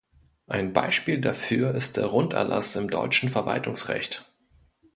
Ein Beispiel dafür ist der Runderlass im deutschen Verwaltungsrecht.